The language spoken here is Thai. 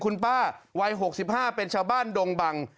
คุณป้าวัยหกสิบห้าเป็นชาวบ้านดงบัง